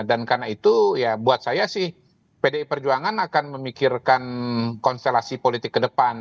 dan karena itu ya buat saya sih pdi perjuangan akan memikirkan konstelasi politik ke depan